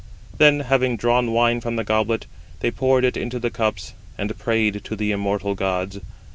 Then having drawn wine from the goblet, they poured it into the cups, and prayed to the immortal gods.